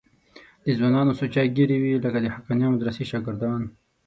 د ځوانانو سوچه ږیرې وې لکه د حقانیه مدرسې شاګردان.